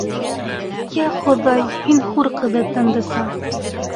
- Йә Хоҙай! һин хур ҡыҙы, Тандыса!